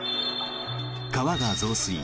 川が増水。